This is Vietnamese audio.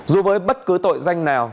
dù với bất cứ tội danh nào